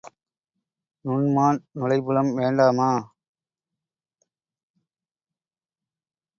நுண்மாண் நுழைபுலம் வேண்டாமா?